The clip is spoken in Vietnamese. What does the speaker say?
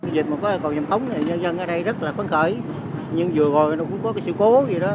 dịch mà có cầu vàm cống thì nhân dân ở đây rất là phấn khởi nhưng vừa rồi nó cũng có cái sự cố gì đó